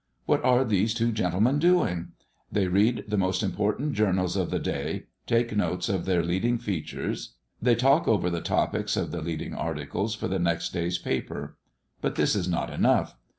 What are these two gentlemen doing? They read the most important journals of the day, take notes of their leading features, they talk over the topics of the leading articles for the next day's paper; but this is not enough.